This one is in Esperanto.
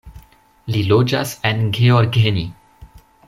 Li loĝas en Gheorgheni.